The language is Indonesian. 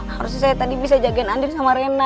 harusnya saya tadi bisa jagain andin sama rena